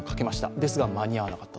ですが、間に合わなかった。